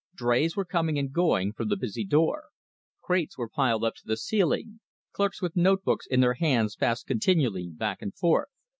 Drays were coming and going from the busy door. Crates were piled up to the ceiling, clerks with notebooks in their hands passed continually back and forth.